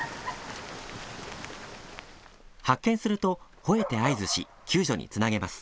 発見するとほえて合図し救助につなげます。